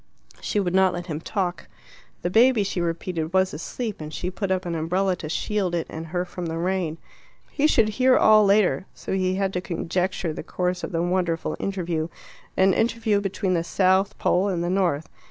She would not let him talk. The baby, she repeated, was asleep, and she put up an umbrella to shield it and her from the rain. He should hear all later, so he had to conjecture the course of the wonderful interview an interview between the South pole and the North.